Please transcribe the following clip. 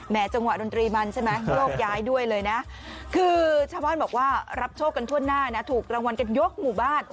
จังหวะดนตรีมันใช่ไหมโยกย้ายด้วยเลยนะคือชาวบ้านบอกว่ารับโชคกันทั่วหน้านะถูกรางวัลกันยกหมู่บ้าน